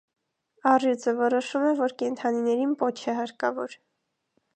Առյուծը որոշում է, որ կենդանիներին պոչ է հարկավոր։